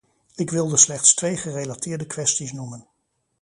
Ik wilde slechts twee gerelateerde kwesties noemen.